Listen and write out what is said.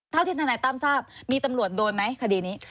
เท่าที่ทนายตั้มทราบมีตำรวจโดนไหมคดีนี้